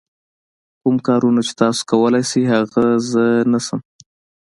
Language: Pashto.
کوم کارونه چې تاسو کولای شئ هغه زه نه شم.